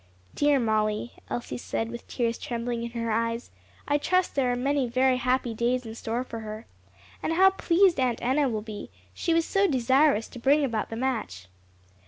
"Dear Molly," Elsie said with tears trembling in her eyes, "I trust there are many very happy days in store for her. And how pleased Aunt Enna will be, she was so desirous to bring about the match."